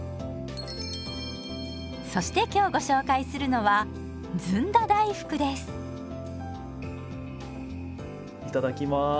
そして今日ご紹介するのはいただきます。